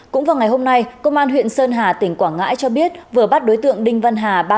cũng vào ngày hôm nay công an huyện sơn hà tỉnh quảng ngãi cho biết vừa bắt đối tượng đinh văn hà